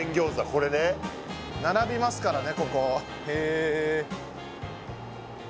これね並びますからね